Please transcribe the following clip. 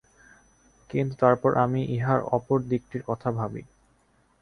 কিন্তু তারপর আমি ইহার অপর দিকটির কথা ভাবি।